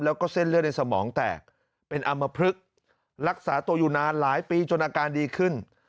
แล้วก็เส้นเลือดในสมองแตกเป็นอำมพลึกรักษาตัวอยู่นานหลายปีจนอาการดีขึ้น